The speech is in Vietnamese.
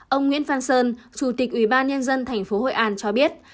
ông nguyễn phan sơn chủ tịch ủy ban nhân dân tp hội an cho biết